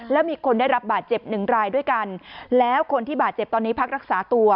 แล้วมีคนได้รับบาดเจ็บหนึ่งรายด้วยกันแล้วคนที่บาดเจ็บตอนนี้พักรักษาตัว